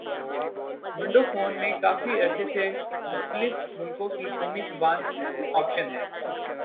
window phone میں کافی عرصے سے مختلف ملکوں کی قومی زبان آپشن ہے